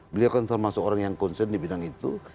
beliau kan termasuk orang yang concern di bidang itu